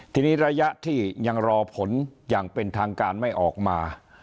ทีนี้ระยะที่ยังรอผลอย่างเป็นทางการไม่ออกมา